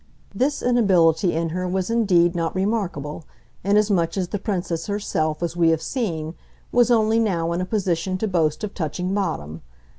This inability in her was indeed not remarkable, inasmuch as the Princess herself, as we have seen, was only now in a position to boast of touching bottom.